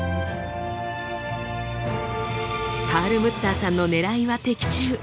パールムッターさんのねらいは的中。